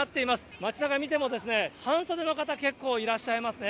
街なか見ても、半袖の方、結構いらっしゃいますね。